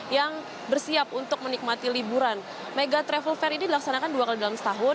yang bersiap untuk menikmati liburan mega travel fair ini dilaksanakan dua kali dalam setahun